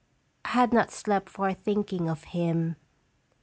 I had not slept for thinking of him.